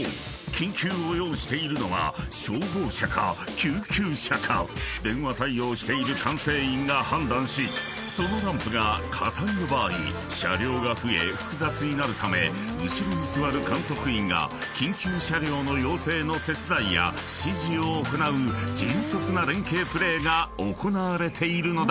緊急を要しているのが消防車か救急車か電話対応している管制員が判断しそのランプが火災の場合車両が増え複雑になるため後ろに座る監督員が緊急車両の要請の手伝いや指示を行う迅速な連携プレーが行われているのだ］